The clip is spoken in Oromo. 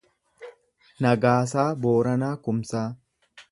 Nagaasaa Booranaa Kumsaa